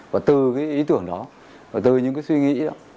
và từ cái ý tưởng đó từ những cái suy nghĩ đó